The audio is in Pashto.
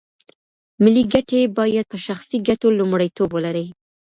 ملي ګټې باید په شخصي ګټو لومړیتوب ولري.